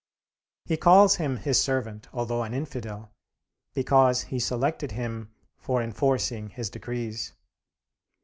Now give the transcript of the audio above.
He calls him his servant, although an infidel, because he selected him for enforcing his decrees.